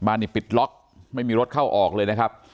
บ้านนี้ปิดล็อคไม่มีรถเข้าออกเลยนะครับ